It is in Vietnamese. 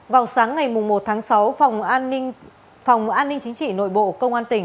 vào sáng ngày một tháng sáu phòng an ninh chính trị nội bộ công an tỉnh